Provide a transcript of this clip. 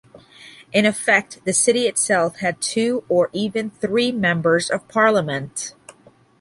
In effect, the city itself had two or even three Members of Parliament.